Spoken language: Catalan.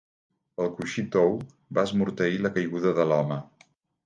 El coixí tou va esmorteir la caiguda de l'home.